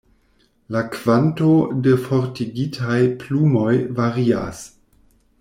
La kvanto de forigitaj plumoj varias.